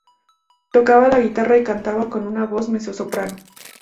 Tocaba la guitarra y cantaba con una voz mezzosoprano.